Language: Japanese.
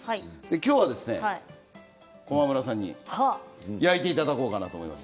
きょうは駒村さんに焼いていただきたいと思います。